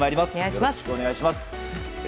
よろしくお願いします。